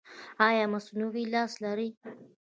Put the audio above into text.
ایا مصنوعي لاس لرئ؟